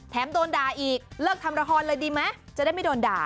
โดนด่าอีกเลิกทำละครเลยดีไหมจะได้ไม่โดนด่า